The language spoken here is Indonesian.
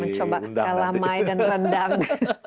mencoba kalamai dan rendang